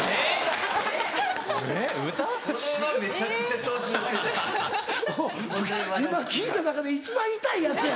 うん今聞いた中で一番痛いやつや。